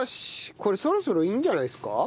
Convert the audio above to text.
これそろそろいいんじゃないですか？